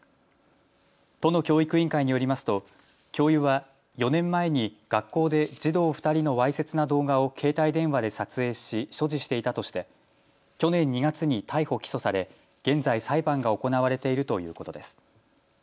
都の教育委員会によりますと教諭は４年前に学校で児童２人のわいせつな動画を携帯電話で撮影し所持していたとして去年２月に逮捕・起訴され現在、裁判が行われているということです。